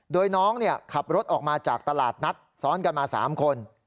โดยน้องขับรถออกมาจากตลาดนัดซ้อนกันมา๓คน